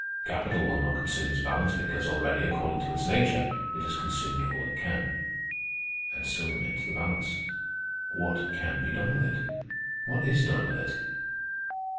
Capital will not consume this balance, because, already, according to its nature, it has consumed all it can. And still remains the balance. What can be done with it? What is done with it?"